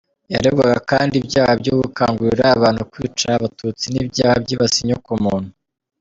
Yaregwaga kandi ibyaha byo gukangurira Abahutu kwica Abatutsi n’ibyaha byibasiye inyokomuntu .